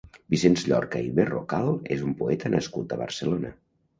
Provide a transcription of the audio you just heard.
Vicenç Llorca i Berrocal és un poeta nascut a Barcelona.